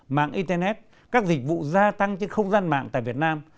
mạng internet các dịch vụ gia tăng trên không gian mạng tại việt nam